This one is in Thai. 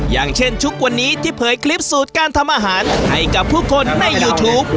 อย่างเช่นทุกวันนี้ที่เผยคลิปสูตรการทำอาหารให้กับผู้คนในยูทูป